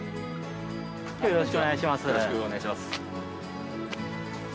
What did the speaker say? よろしくお願いします。